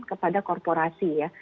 kepada korporasi ya